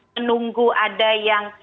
menunggu ada yang